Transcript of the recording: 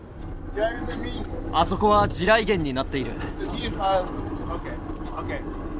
あそこは地雷原になっている。